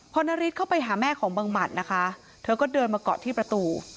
พอนาริสเข้าไปหาแม่ของบังหมัดนะคะเธอก็เดินมาเกาะที่ประตู